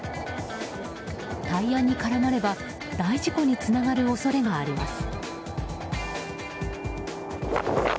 タイヤに絡まれば大事故につながる恐れがあります。